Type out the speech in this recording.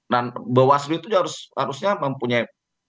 dan bawaslu itu harusnya mempunyai